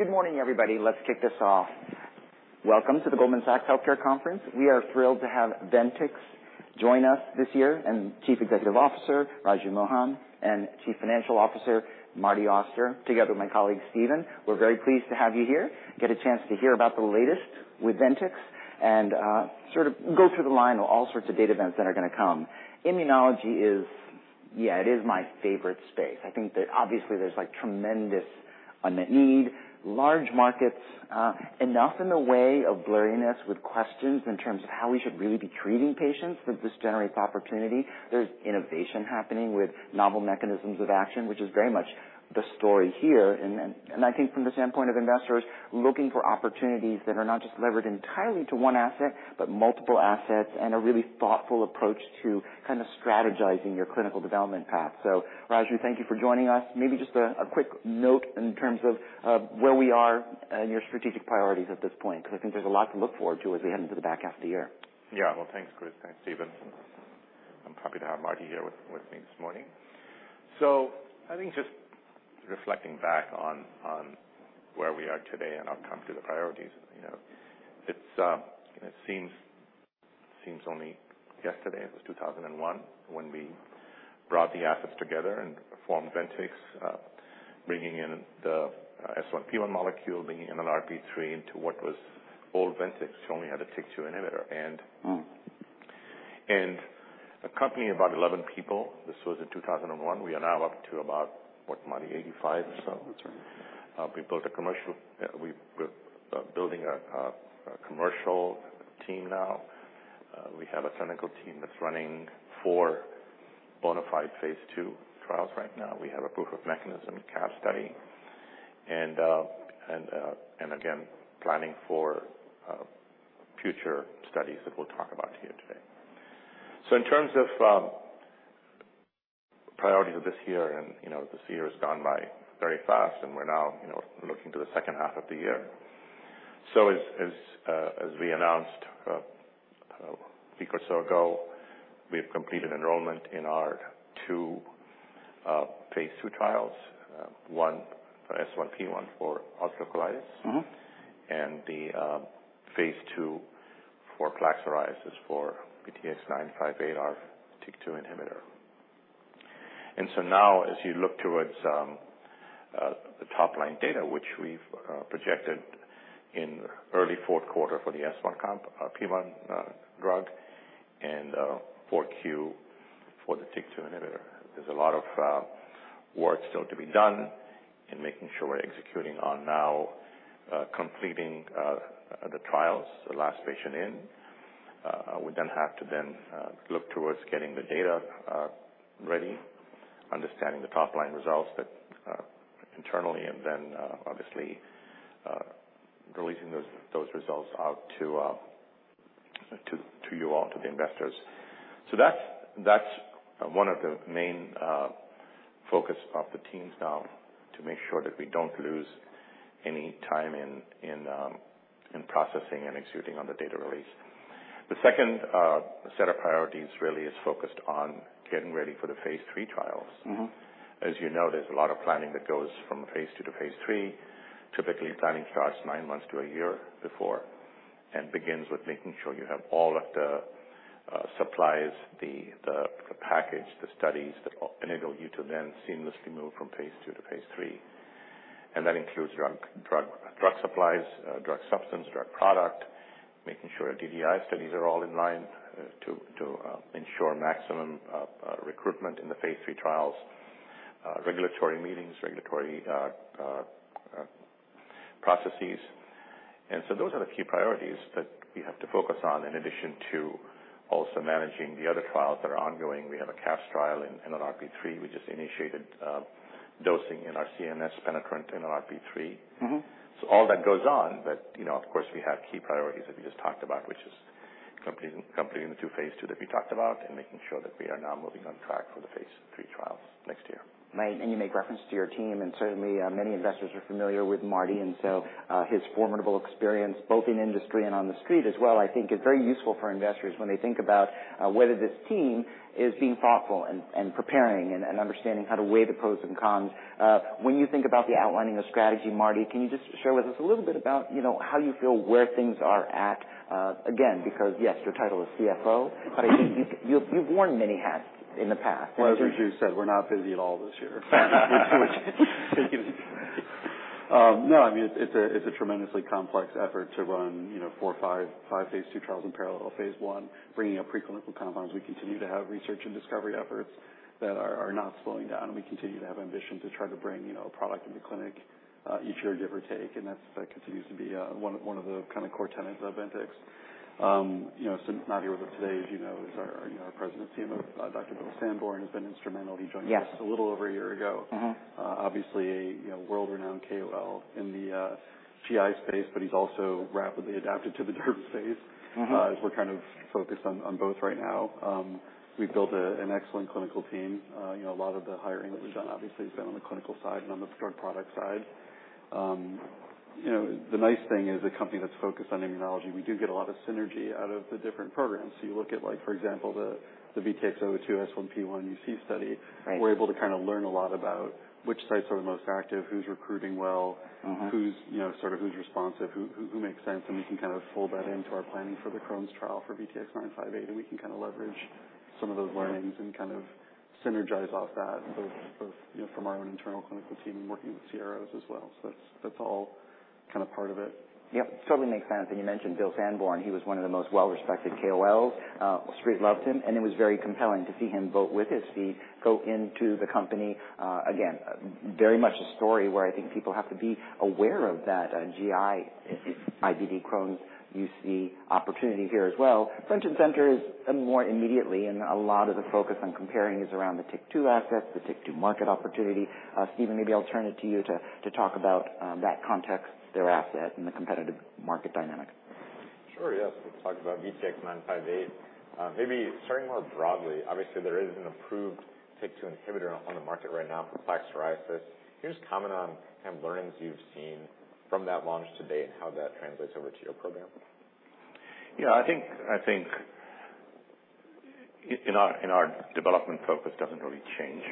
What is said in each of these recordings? Good morning, everybody. Let's kick this off. Welcome to the Goldman Sachs Healthcare Conference. We are thrilled to have Ventyx join us this year, Chief Executive Officer, Raju Mohan, and Chief Financial Officer, Martin Auster, together with my colleague, Steven. We're very pleased to have you here, get a chance to hear about the latest with Ventyx, sort of go through the line of all sorts of data events that are gonna come. Immunology is, yeah, it is my favorite space. I think that obviously there's like tremendous unmet need, large markets, enough in the way of blurriness with questions in terms of how we should really be treating patients, that this generates opportunity. There's innovation happening with novel mechanisms of action, which is very much the story here. I think from the standpoint of investors, looking for opportunities that are not just levered entirely to one asset, but multiple assets and a really thoughtful approach to kind of strategizing your clinical development path. Raju, thank you for joining us. Maybe just a quick note in terms of where we are and your strategic priorities at this point, because I think there's a lot to look forward to as we head into the back half of the year. Thanks, Chris. Thanks, Steven. I'm happy to have Marty here with me this morning. I think just reflecting back on where we are today, and I'll come to the priorities. You know, it's, it seems only yesterday, it was 2001, when we brought the assets together and formed Ventyx, bringing in the S1P1 molecule, bringing in an RP into what was old Ventyx, which only had a TYK2 inhibitor. A company of about 11 people. This was in 2001. We are now up to about, what, Marty? 85 or so. That's right. We're building a commercial team now. We have a clinical team that's running four bona fide phase 2 trials right now. We have a proof of mechanism CAPS study. Again, planning for future studies that we'll talk about here today. In terms of priorities of this year, and, you know, this year has gone by very fast, and we're now, you know, looking to the second half of the year. As we announced a week or so ago, we've completed enrollment in our two phase 2 trials, one for S1P1 for ulcerative colitis. Mm-hmm. The phase 2 for plaque psoriasis for VTX958, our TYK2 inhibitor. As you look towards the top line data, which we've projected in early fourth quarter for the S1P1 drug, and 4Q for the TYK2 inhibitor, there's a lot of work still to be done in making sure we're executing on now completing the trials, the last patient in. We then have to then look towards getting the data ready, understanding the top-line results that internally, and then obviously releasing those results out to you all, to the investors. That's one of the main focus of the teams now, to make sure that we don't lose any time in processing and executing on the data release. The second set of priorities really is focused on getting ready for the phase 3 trials. Mm-hmm. As you know, there's a lot of planning that goes from phase two to phase three. Typically, planning starts 9 months to 1 year before, and begins with making sure you have all of the supplies, the package, the studies that enable you to then seamlessly move from phase two to phase three, and that includes drug supplies, drug substance, drug product, making sure our DDI studies are all in line, to ensure maximum recruitment in the phase three trials, regulatory meetings, regulatory processes. Those are the key priorities that we have to focus on in addition to also managing the other trials that are ongoing. We have a CAPS trial in RP. We just initiated dosing in our CNS penetrant in RP. Mm-hmm. All that goes on, you know, of course, we have key priorities that we just talked about, which is completing the 2 phase 2 that we talked about, making sure that we are now moving on track for the phase 3 trials next year. Right. You make reference to your team, and certainly, many investors are familiar with Marty, and so, his formidable experience, both in industry and on the street as well, I think is very useful for investors when they think about, whether this team is being thoughtful and preparing and understanding how to weigh the pros and cons. When you think about the outlining of strategy, Marty, can you just share with us a little bit about, you know, how you feel where things are at? Again, because, yes, your title is CFO, but you've, you've worn many hats in the past. Well, as Raju said, we're not busy at all this year. No, I mean, it's a tremendously complex effort to run, you know, four, five phase 2 trials in parallel, phase 1, bringing up preclinical compounds. We continue to have research and discovery efforts that are not slowing down. We continue to have ambition to try to bring, you know, a product into clinic each year, give or take. That's, that continues to be one of the kind of core tenets of Ventyx. You know, not here with us today, as you know, is our, you know, our President, CMO, Dr. Bill Sandborn, has been instrumental. Yes. He joined us a little over a year ago. Mm-hmm. Obviously a, you know, world-renowned KOL in the GI space, but he's also rapidly adapted to the derm space. Mm-hmm. As we're kind of focused on both right now. We've built an excellent clinical team. You know, a lot of the hiring that we've done obviously has been on the clinical side and on the drug product side. You know, the nice thing is, a company that's focused on immunology, we do get a lot of synergy out of the different programs. You look at, like, for example, the VTX002 S1P1 UC study. Right. We're able to kind of learn a lot about which sites are the most active, who's recruiting well- Mm-hmm. -who's, you know, sort of who's responsive, who makes sense, and we can kind of fold that into our planning for the Crohn's trial for VTX958, and we can kind of leverage some of those learnings and kind of synergize off that, both, you know, from our own internal clinical team working with CROs as well. That's, that's all kind of part of it. Yep, totally makes sense. You mentioned William Sandborn. He was one of the most well-respected KOLs. Wall Street loved him, and it was very compelling to see him vote with his feet, go into the company. Very much a story where I think people have to be aware of that, GI, IBD, Crohn's, UC opportunity here as well. Front and center is more immediately, and a lot of the focus on comparing is around the TYK2 assets, the TYK2 market opportunity. Stephen, maybe I'll turn it to you to talk about, that context, their asset and the competitive market dynamic. Sure, yes. Let's talk about VTX958. maybe starting more broadly, obviously, there is an approved TYK2 inhibitor on the market right now for plaque psoriasis. Can you just comment on kind of learnings you've seen from that launch to date and how that translates over to your program? Yeah, I think, in our development focus doesn't really change.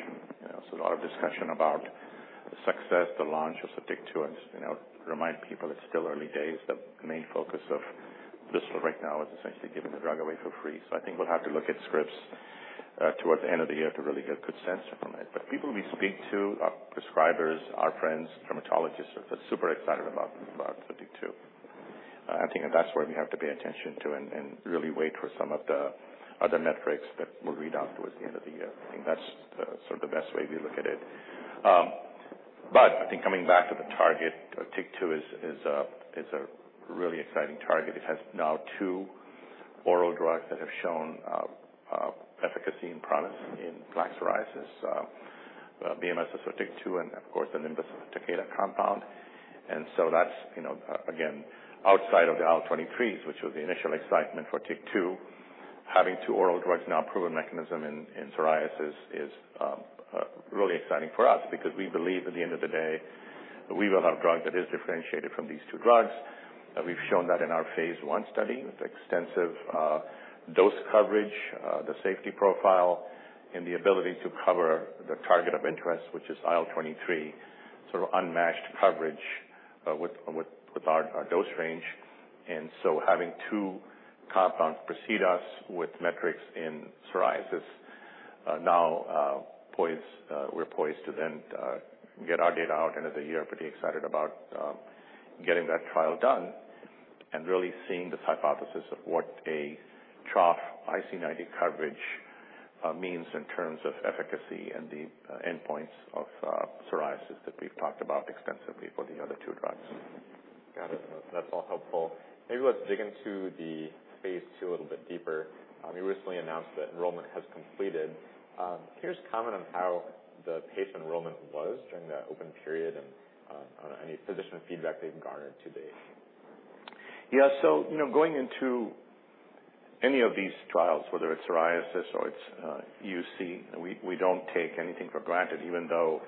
You know, a lot of discussion about the success, the launch of the TYK2, and I would remind people it's still early days. The main focus of this right now is essentially giving the drug away for free. I think we'll have to look at scripts towards the end of the year to really get a good sense from it. People we speak to, our prescribers, our friends, dermatologists, are super excited about TYK2. I think that's where we have to pay attention to and really wait for some of the other metrics that will read out towards the end of the year. I think that's sort of the best way we look at it. I think coming back to the target, TYK2 is a really exciting target. It has now 2 oral drugs that have shown efficacy and promise in plaque psoriasis. BMS is for TYK2, of course, the Nimbus Takeda compound. That's, you know, again, outside of the IL-23s, which was the initial excitement for TYK2. Having 2 oral drugs now proven mechanism in psoriasis is really exciting for us because we believe at the end of the day, that we will have a drug that is differentiated from these 2 drugs, that we've shown that in our phase 1 study with extensive dose coverage, the safety profile, and the ability to cover the target of interest, which is IL-23. Sort of unmatched coverage with our dose range. Having two compounds precede us with metrics in psoriasis, now, we're poised to get our data out end of the year. Pretty excited about getting that trial done and really seeing the hypothesis of what a trough IC90 coverage means in terms of efficacy and the endpoints of psoriasis that we've talked about extensively for the other two drugs. Got it. That's all helpful. Maybe let's dig into the phase two a little bit deeper. You recently announced that enrollment has completed. Can you just comment on how the pace enrollment was during that open period and, on any physician feedback they've garnered to date? Yeah, so you know, going into any of these trials, whether it's psoriasis or it's, UC, we don't take anything for granted, even though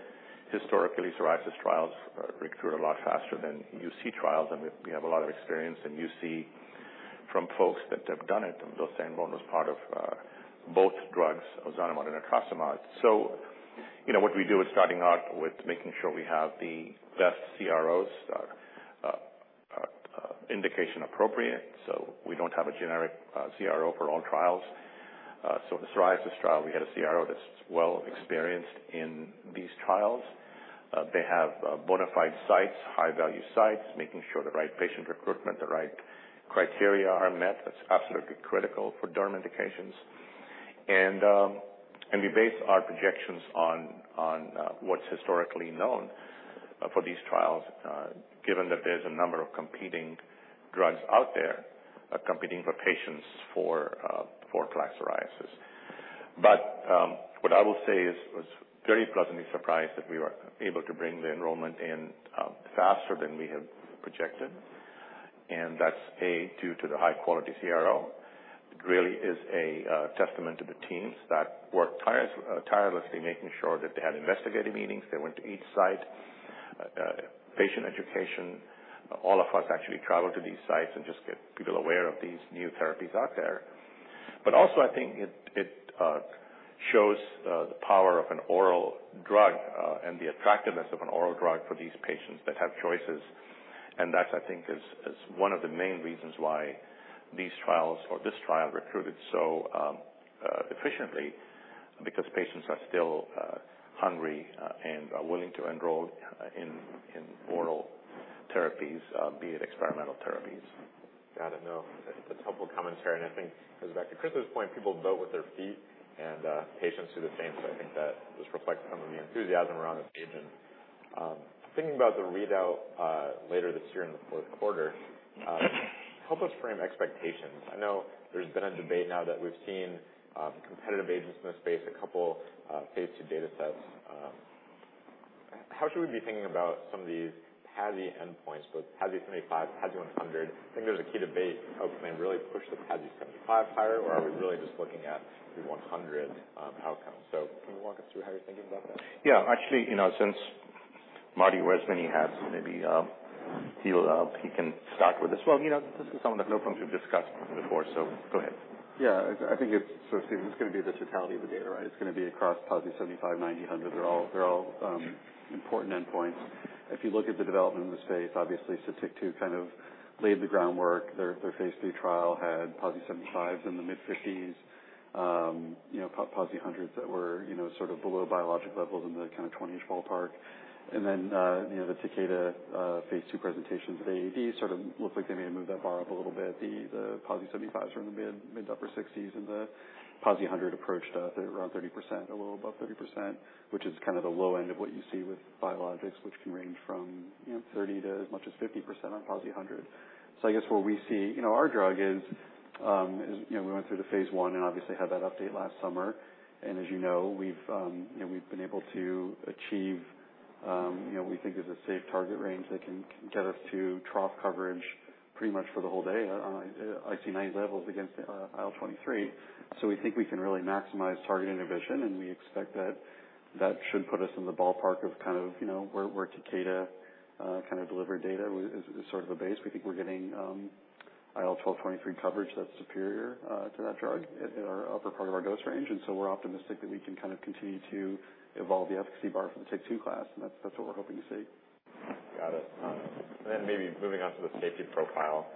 historically, psoriasis trials, recruit a lot faster than UC trials. We have a lot of experience in UC from folks that have done it, and William Sandborn was part of, both drugs, Ozanimod and. You know, what we do is starting out with making sure we have the best CROs, indication appropriate, so we don't have a generic, CRO for all trials. The psoriasis trial, we had a CRO that's well experienced in these trials. They have, bonafide sites, high value sites, making sure the right patient recruitment, the right criteria are met. That's absolutely critical for derm indications. We base our projections on what's historically known for these trials, given that there's a number of competing drugs out there, competing for patients for plaque psoriasis. What I will say is, was very pleasantly surprised that we were able to bring the enrollment in faster than we had projected, and that's, A, due to the high quality CRO. It really is a testament to the teams that worked tirelessly, making sure that they had investigative meetings. They went to each site, patient education. All of us actually traveled to these sites and just get people aware of these new therapies out there. Also, I think it shows the power of an oral drug and the attractiveness of an oral drug for these patients that have choices. That, I think, is one of the main reasons why these trials or this trial recruited so efficiently, because patients are still hungry and willing to enroll in oral therapies, be it experimental therapies. Got it. No, I think that's helpful commentary, and I think goes back to Christopher's point, people vote with their feet and patients do the same. I think that just reflects some of the enthusiasm around the agent. Thinking about the readout later this year in the fourth quarter, help us frame expectations. I know there's been a debate now that we've seen competitive agents in the space, a couple phase 2 datasets. How should we be thinking about some of these points, but PASI 75, PASI 100. I think there's a key debate, how can I really push the PASI 75 higher, or are we really just looking at the 100 outcome? Can you walk us through how you're thinking about that? Yeah, actually, you know, since Marty Auster, he has maybe, he can start with this. You know, this is some of the endpoints we've discussed before. Go ahead. Yeah, I think it's gonna be the totality of the data, right? It's gonna be across PASI 75, 90, 100. They're all important endpoints. If you look at the development in the space, obviously, Sotyktu kind of laid the groundwork. Their phase 3 trial had PASI 75s in the mid-50s. You know, PASI 100s that were, you know, sort of below biologic levels in the kind of 20-ish ballpark. You know, the Takeda phase 2 presentations at AAD sort of looked like they may have moved that bar up a little bit. The PASI 75s are in the mid-upper 60s, and the PASI 100 approached around 30%, a little above 30%, which is kind of the low end of what you see with biologics, which can range from, you know, 30%-50% on PASI 100. I guess where we see... You know, our drug is, you know, we went through the phase 1 and obviously had that update last summer. As you know, we've, you know, we've been able to achieve, you know, we think is a safe target range that can get us to trough coverage pretty much for the whole day on IC90 levels against IL-23. We think we can really maximize target inhibition, and we expect that should put us in the ballpark of kind of, you know, where Takeda, kind of delivered data is sort of a base. We think we're getting IL-12, 23 coverage that's superior to that drug in our upper part of our dose range. We're optimistic that we can kind of continue to evolve the efficacy bar for the TYK2 class, and that's what we're hoping to see. Got it. Maybe moving on to the safety profile.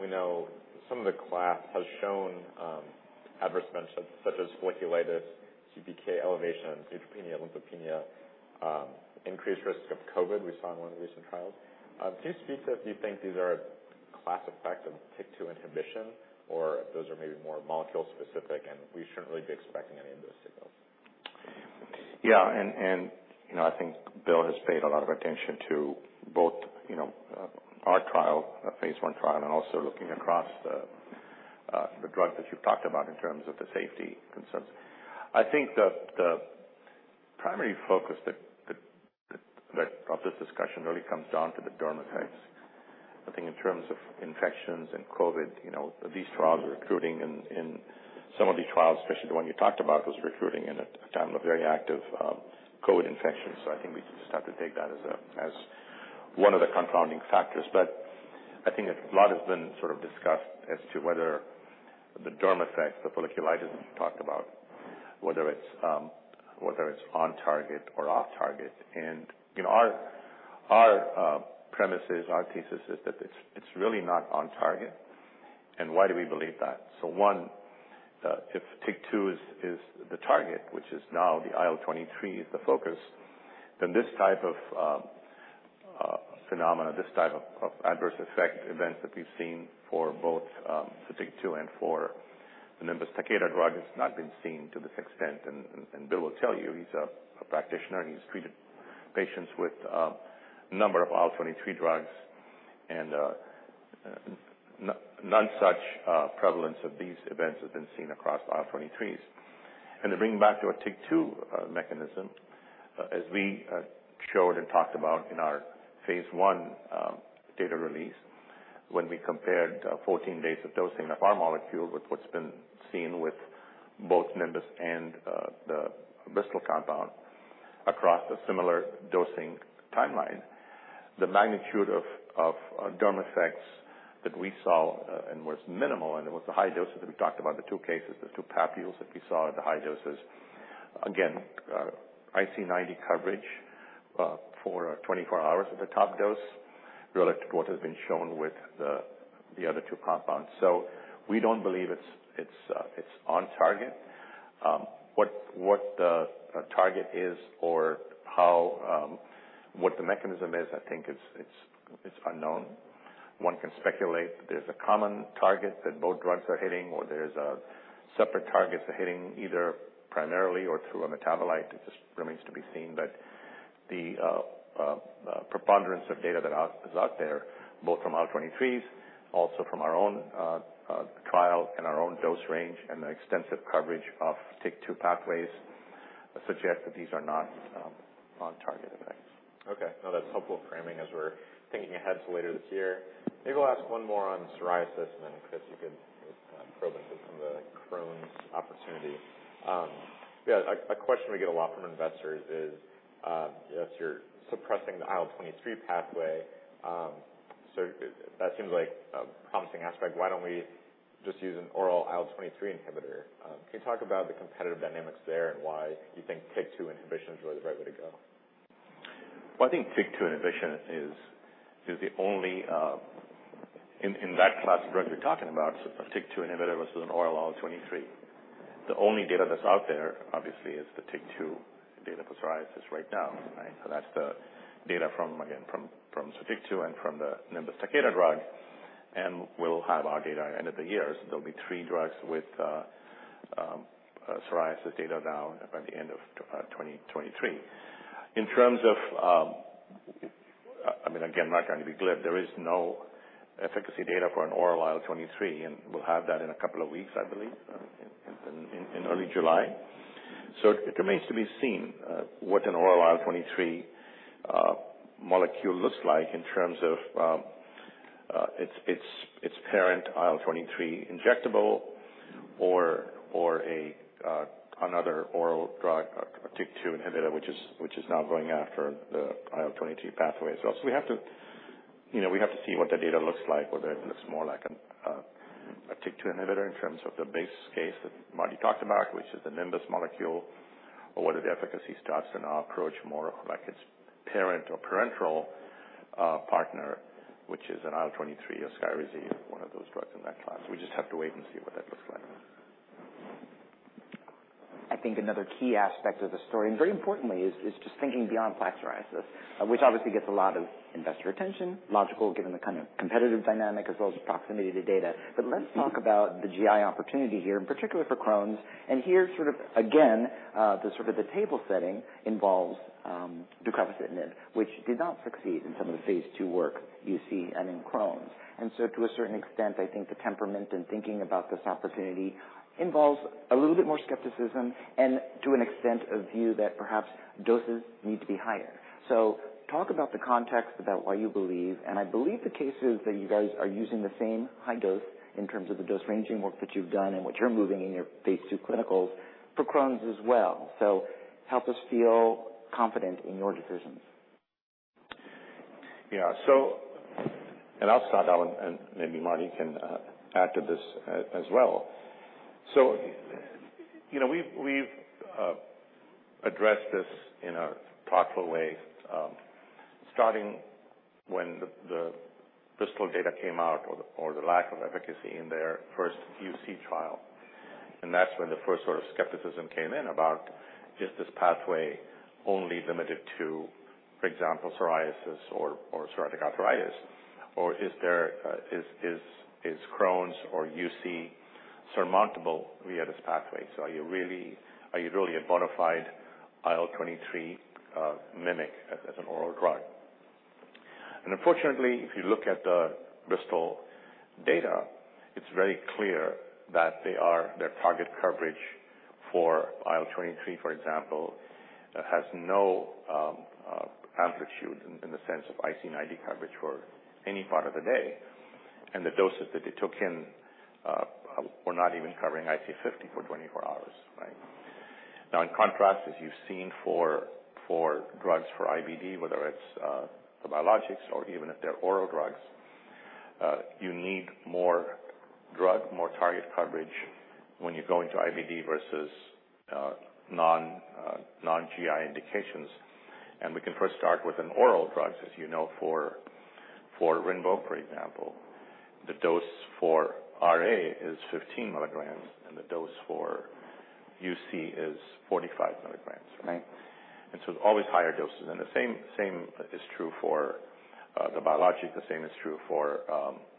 We know some of the class has shown adverse events such as folliculitis, CPK elevations, neutropenia, lymphopenia, increased risk of COVID, we saw in one of the recent trials. Can you speak to if you think these are a class effect of TYK2 inhibition, or if those are maybe more molecule specific, and we shouldn't really be expecting any of those signals? Yeah, you know, I think Bill has paid a lot of attention to both, you know, our trial, our phase one trial, and also looking across the drug that you've talked about in terms of the safety concerns. I think that the primary focus that of this discussion really comes down to the derm effects. I think in terms of infections and COVID, you know, these trials are recruiting in some of these trials, especially the one you talked about, was recruiting in a time of very active COVID infections. I think we just have to take that as one of the confounding factors. I think a lot has been sort of discussed as to whether the derm effects, the folliculitis that you talked about, whether it's whether it's on target or off target. You know, our premises, our thesis is that it's really not on target. Why do we believe that? One, if TYK2 is the target, which is now the IL-23 is the focus, then this type of phenomena, this type of adverse effect events that we've seen for both the TYK2 and for the Nimbus Takeda drug, has not been seen to this extent. And Bill will tell you, he's a practitioner, and he's treated patients with a number of IL-23 drugs, and none such prevalence of these events have been seen across IL-23s. To bring back to our TYK2 mechanism, as we showed and talked about in our phase 1 data release, when we compared 14 days of dosing of our molecule with what's been seen with both Nimbus and the Bristol compound across a similar dosing timeline, the magnitude of derm effects that we saw, and was minimal, and it was the high doses that we talked about, the 2 cases, the 2 papules that we saw at the high doses. Again, IC90 coverage for 24 hours at the top dose, relative to what has been shown with the other 2 compounds. We don't believe it's, it's on target. What the target is or how, what the mechanism is, I think it's, it's unknown. One can speculate that there's a common target that both drugs are hitting, or there's a separate target they're hitting, either primarily or through a metabolite. It just remains to be seen. The preponderance of data that is out there, both from IL-23s, also from our own trial and our own dose range, and the extensive coverage of TYK2 pathways, suggest that these are not on-target effects. Okay. No, that's helpful framing as we're thinking ahead to later this year. Maybe we'll ask one more on psoriasis, and then, Chris, you could probe into some of the Crohn's opportunity. Yeah, a question we get a lot from investors is, if you're suppressing the IL-23 pathway, so that seems like a promising aspect, why don't we just use an oral IL-23 inhibitor? Can you talk about the competitive dynamics there, and why you think TYK2 inhibition is really the right way to go? I think TYK2 inhibition is the only in that class of drug you're talking about, so a TYK2 inhibitor versus an oral IL-23, the only data that's out there, obviously, is the TYK2 data for psoriasis right now, right? That's the data from, again, from Sotyktu and from the Nimbus Takeda drug, and we'll have our data at end of the year. There'll be three drugs with psoriasis data now by the end of 2023. In terms of, I mean, again, I'm not trying to be glib. There is no efficacy data for an oral IL-23, and we'll have that in a couple of weeks, I believe, in early July. It remains to be seen what an oral IL-23 molecule looks like in terms of its parent IL-23 injectable or another oral drug, a TYK2 inhibitor, which is now going after the IL-23 pathway as well. We have to, you know, we have to see what the data looks like, whether it looks more like a TYK2 inhibitor in terms of the base case that Marty talked about, which is the Nimbus molecule. Or whether the efficacy starts to now approach more like its parent or parental partner, which is an IL-23 or Skyrizi, one of those drugs in that class. We just have to wait and see what that looks like. I think another key aspect of the story, and very importantly, is just thinking beyond plaque psoriasis, which obviously gets a lot of investor attention. Logical, given the kind of competitive dynamic as well as proximity to data. Let's talk about the GI opportunity here, in particular for Crohn's. Here's sort of again, the table setting involves deucravacitinib, which did not succeed in some of the phase 2 work you see and in Crohn's. To a certain extent, I think the temperament in thinking about this opportunity involves a little bit more skepticism and to an extent, a view that perhaps doses need to be higher. Talk about the context about why you believe, and I believe the case is that you guys are using the same high dose in terms of the dose-ranging work that you've done and what you're moving in your phase 2 clinicals for Crohn's as well. Help us feel confident in your decisions. I'll start, Alan, and maybe Marty can add to this as well. You know, we've addressed this in a thoughtful way, starting when the Bristol data came out or the, or the lack of efficacy in their first UC trial. That's when the first sort of skepticism came in about, is this pathway only limited to, for example, psoriasis or psoriatic arthritis? Or is Crohn's or UC surmountable via this pathway? Are you really a bona fide IL-23 mimic as an oral drug? Unfortunately, if you look at the Bristol data, it's very clear that they are their target coverage for IL-23, for example, has no amplitude in the sense of IC90 coverage for any part of the day. The doses that they took in were not even covering IC50 for 24 hours, right? In contrast, as you've seen for drugs for IBD, whether it's the biologics or even if they're oral drugs, you need more drug, more target coverage when you go into IBD versus non non-GI indications. We can first start with an oral drug, as you know, for RINVOQ, for example, the dose for RA is 15 milligrams, and the dose for UC is 45 milligrams. Right. always higher doses. The same is true for the biologic. The same is true for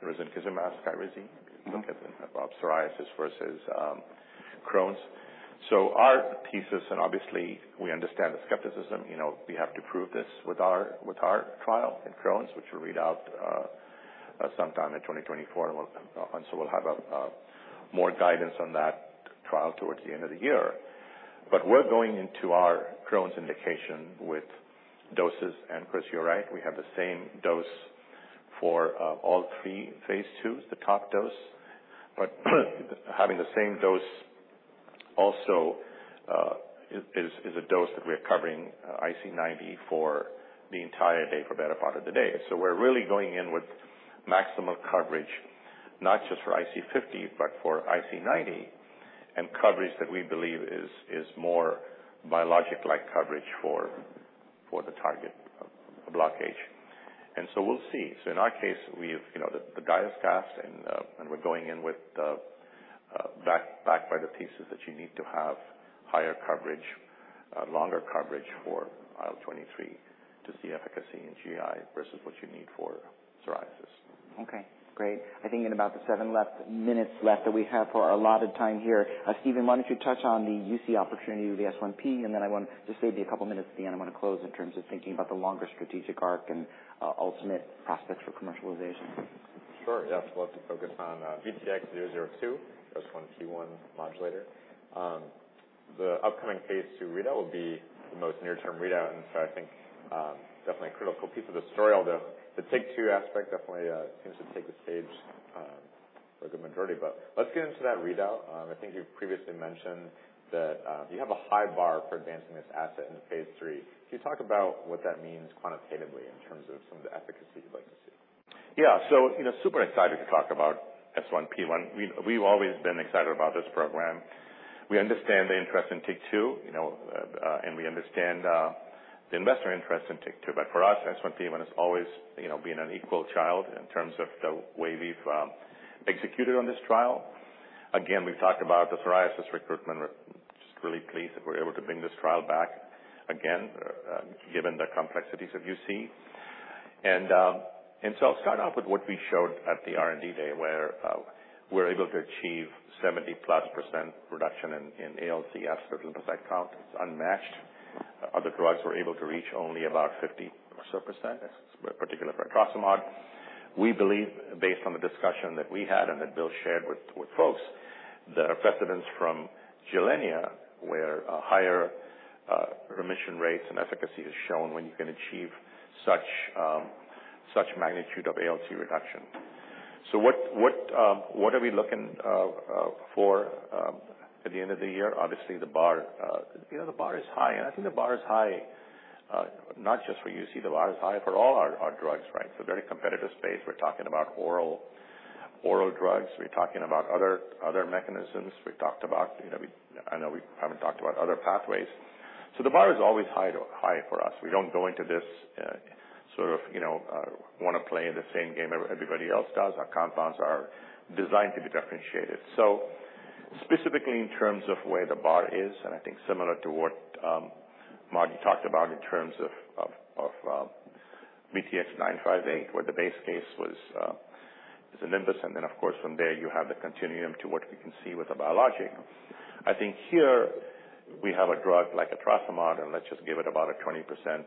risankizumab SKYRIZI. Mm-hmm. Look at psoriasis versus Crohn's. Our thesis, and obviously we understand the skepticism, you know, we have to prove this with our, with our trial in Crohn's, which will read out sometime in 2024. We'll have more guidance on that trial towards the end of the year. We're going into our Crohn's indication with doses, and Chris, you're right, we have the same dose for all three phase twos, the top dose. Having the same dose also is a dose that we are covering IC90 for the entire day, for better part of the day. We're really going in with maximum coverage, not just for IC50, but for IC90, and coverage that we believe is more biologic-like coverage for the target of blockage. We'll see. In our case, we've, you know, the die is cast and we're going in with backed by the thesis that you need to have higher coverage, longer coverage for IL-23 to see efficacy in GI versus what you need for psoriasis. Okay, great. I think in about the 7 left, minutes left that we have for our allotted time here, Stephen, why don't you touch on the UC opportunity with S1P? I want to save you 2 minutes at the end. I want to close in terms of thinking about the longer strategic arc and ultimate prospects for commercialization. Sure. Let's focus on VTX002, S1P1 modulator. The upcoming phase two readout will be the most near-term readout. I think definitely a critical piece of the story, although the TYK2 aspect definitely seems to take the stage for the majority. Let's get into that readout. I think you've previously mentioned that you have a high bar for advancing this asset into phase three. Can you talk about what that means quantitatively in terms of some of the efficacy you'd like to see? Yeah. you know, super excited to talk about S1P1. We've always been excited about this program. We understand the interest in TYK2, you know, and we understand the investor interest in TYK2. For us, S1P1 has always, you know, been an equal child in terms of the way we've executed on this trial. Again, we've talked about the psoriasis recruitment. We're just really pleased that we're able to bring this trial back again, given the complexities of UC. I'll start off with what we showed at the R&D day, where we're able to achieve 70-plus % reduction in ALC, the lymphocyte count. It's unmatched. The drugs were able to reach only about 50 or so %, particularly for etrasimod. We believe, based on the discussion that we had and that Bill shared with folks, there are precedents from Gilenya, where a higher remission rates and efficacy is shown when you can achieve such magnitude of ALC reduction. What are we looking for at the end of the year? Obviously, the bar, you know, the bar is high, and I think the bar is high, not just for UC, the bar is high for all our drugs, right? Very competitive space. We're talking about oral drugs. We're talking about other mechanisms. We talked about, you know, I know we haven't talked about other pathways. The bar is always high for us. We don't go into this, sort of, you know, wanna play in the same game everybody else does. Our compounds are designed to be differentiated. Specifically in terms of where the bar is, I think similar to what Marty talked about in terms of VTX958, where the base case was, is a Nimbus, then of course, from there you have the continuum to what we can see with the biologic. I think here we have a drug like etrasimod, let's just give it about a 20%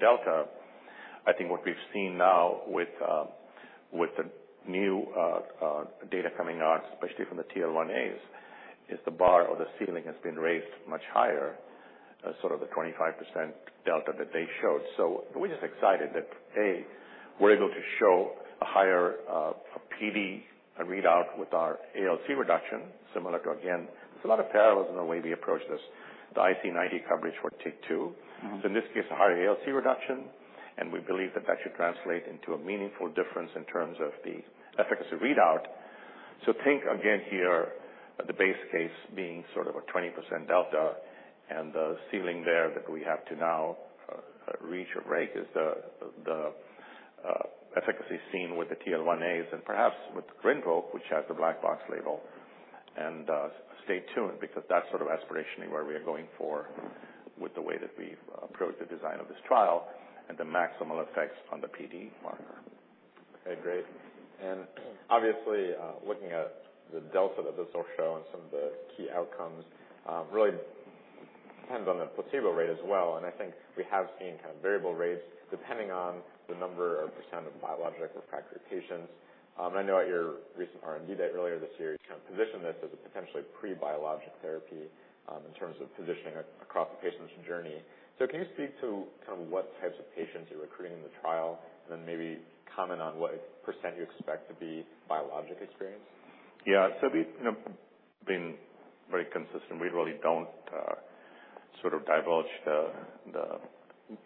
delta. I think what we've seen now with the new data coming out, especially from the TL1As, is the bar or the ceiling has been raised much higher, as sort of the 25% delta that they showed. We're just excited that, A, we're able to show a higher PD readout with our ALC reduction, similar to, again, there's a lot of parallels in the way we approach this, the IC90 coverage for TYK2. Mm-hmm. In this case, a higher ALC reduction, and we believe that should translate into a meaningful difference in terms of the efficacy readout. Think again here, the base case being sort of a 20% delta, and the ceiling there that we have to now reach or break is the efficacy seen with the TL1As and perhaps with RINVOQ, which has the black box label. Stay tuned, because that's sort of aspirationally where we are going for, with the way that we've approached the design of this trial and the maximal effects on the PD marker. Okay, great. Obviously, looking at the delta that this will show and some of the key outcomes, really depends on the placebo rate as well. I think we have seen kind of variable rates, depending on the number or % of biologic-refractory patients. I know at your recent R&D date earlier this year, you kind of positioned this as a potentially pre-biologic therapy, in terms of positioning it across the patient's journey. Can you speak to kind of what types of patients you're recruiting in the trial, and then maybe comment on what % you expect to be biologic experience? We've, you know, been very consistent. We really don't sort of divulge the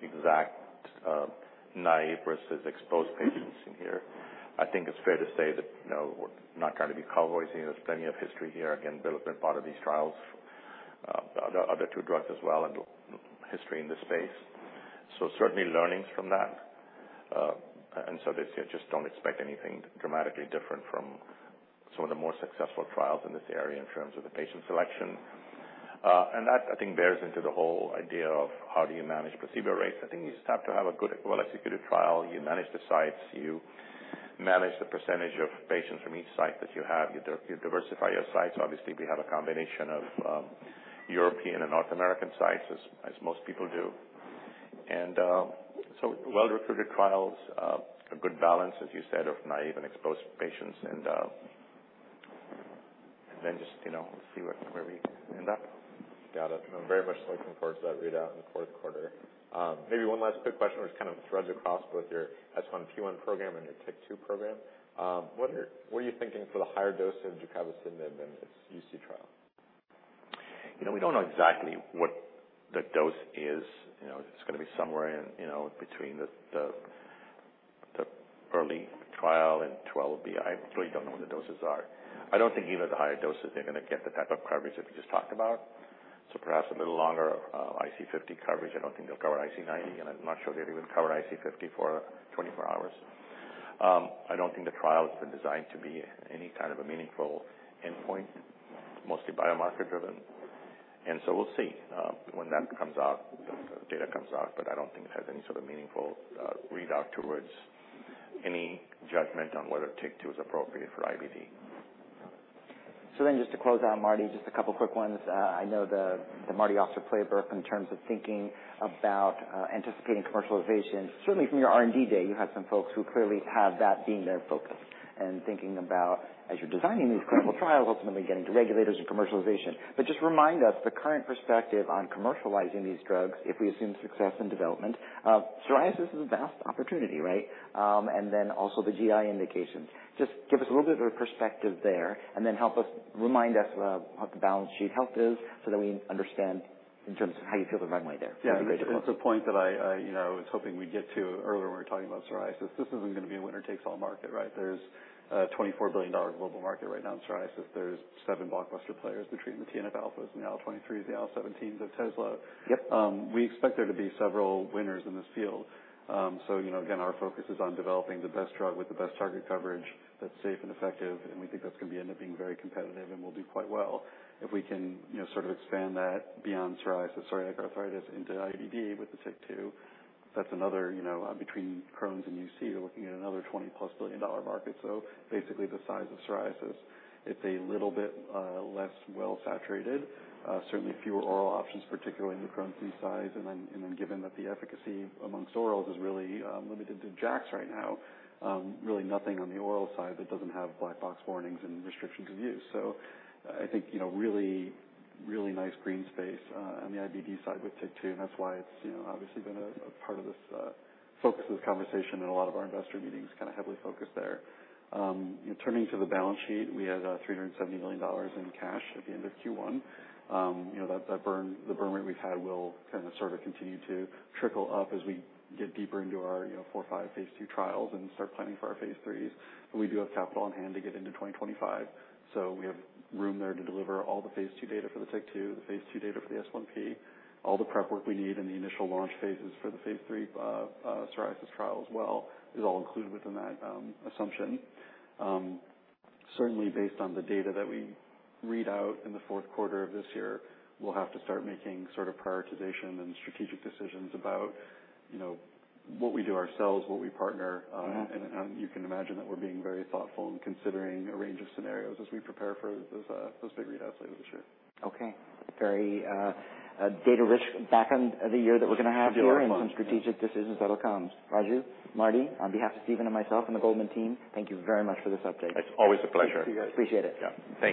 exact naive versus exposed patients in here. I think it's fair to say that, you know, we're not going to be cowboying. There's plenty of history here. Again, Bill have been part of these trials, the other two drugs as well, and history in this space. Certainly learnings from that. They say, just don't expect anything dramatically different from some of the more successful trials in this area in terms of the patient selection. That, I think, bears into the whole idea of how do you manage placebo rates? I think you just have to have a good, well-executed trial. You manage the sites, you manage the percentage of patients from each site that you have. You diversify your sites. Obviously, we have a combination of European and North American sites, as most people do. Well-recruited trials, a good balance, as you said, of naive and exposed patients and then just, you know, see where we end up. Got it. I'm very much looking forward to that readout in the fourth quarter. Maybe one last quick question, which kind of threads across both your S1P1 program and your TYK2 program. What are, what are you thinking for the higher dose of deucravacitinib in this UC trial? You know, we don't know exactly what the dose is. You know, it's gonna be somewhere in between the early trial and Phase 2b. I really don't know what the doses are. I don't think even at the higher doses, they're gonna get the type of coverage that we just talked about. Perhaps a little longer, IC50 coverage. I don't think they'll cover IC90, and I'm not sure they'd even cover IC50 for 24 hours. I don't think the trial has been designed to be any kind of a meaningful endpoint, mostly biomarker-driven. We'll see when that comes out, data comes out, but I don't think it has any sort of meaningful readout towards any judgment on whether TYK2 is appropriate for IBD. Just to close out, Marty, just a couple quick ones. I know the Marty Auster playbook in terms of thinking about anticipating commercialization. Certainly from your R&D day, you had some folks who clearly have that being their focus and thinking about as you're designing these clinical trials, ultimately getting to regulators and commercialization. Just remind us the current perspective on commercializing these drugs, if we assume success and development. Psoriasis is a vast opportunity, right? Also the GI indications. Just give us a little bit of perspective there, remind us what the balance sheet health is, so that we understand in terms of how you feel the runway there. Yeah, it's a point that I, you know, was hoping we'd get to earlier when we were talking about psoriasis. This isn't going to be a winner-takes-all market, right? There's a $24 billion global market right now in psoriasis. There's 7 blockbuster players between the TNF-alpha, the IL-23, the IL-17, the TL1A. Yep. We expect there to be several winners in this field. you know, again, our focus is on developing the best drug with the best target coverage that's safe and effective, and we think that's going to end up being very competitive. We'll do quite well if we can, you know, sort of expand that beyond psoriasis, psoriatic arthritis into IBD with the TYK2. That's another, you know, between Crohn's and UC, you're looking at another $20-plus billion market. Basically, the size of psoriasis, it's a little bit less well saturated. Certainly fewer oral options, particularly in the Crohn's disease size. Given that the efficacy amongst orals is really limited to JAKs right now, really nothing on the oral side that doesn't have black box warnings and restrictions of use. I think, you know, really, really nice green space, on the IBD side with TYK2, and that's why it's, you know, obviously been a part of this, focus of this conversation and a lot of our investor meetings kind of heavily focused there. Turning to the balance sheet, we had $370 million in cash at the end of Q1. you know, that burn, the burn rate we've had will kind of sort of continue to trickle up as we get deeper into our you know, 4, 5 phase 2 trials and start planning for our phase 3s. We do have capital on hand to get into 2025, so we have room there to deliver all the Phase 2 data for the TYK2, the Phase 2 data for the S1P, all the prep work we need in the initial launch phases for the Phase 3 psoriasis trial as well, is all included within that assumption. Certainly based on the data that we read out in the fourth quarter of this year, we'll have to start making sort of prioritization and strategic decisions about, you know, what we do ourselves, what we partner. Mm-hmm. You can imagine that we're being very thoughtful in considering a range of scenarios as we prepare for this big readout later this year. Okay. Very data-rich back end of the year that we're going to have here. Very much. Some strategic decisions that'll come. Raju, Marty, on behalf of Steven and myself and the Goldman team, thank you very much for this update. It's always a pleasure. Thank you, guys. Appreciate it. Yeah. Thank you.